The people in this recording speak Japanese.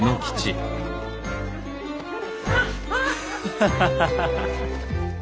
ハハハハ！